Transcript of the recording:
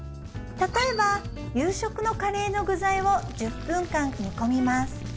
例えば夕食のカレーの具材を１０分間煮込みます